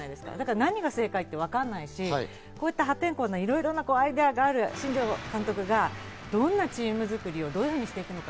何が正解かわからないですし、破天荒なアイデアがある新庄監督がどんなチーム作りをどういうふうにしていくのか。